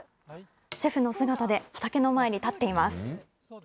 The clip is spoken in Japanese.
シェフの姿で畑の前に立っています。